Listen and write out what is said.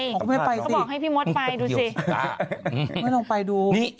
ก็ไม่ไปสิมันกระเทียวสิกะไม่ต้องไปดู